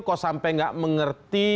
kok sampai tidak mengerti